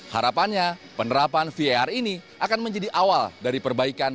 harapannya penerapan vr ini akan menjadi awal dari perbaikan